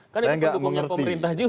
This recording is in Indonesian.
kan itu pendukungnya pemerintah juga